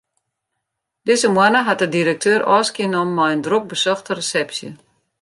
Dizze moanne hat de direkteur ôfskie nommen mei in drok besochte resepsje.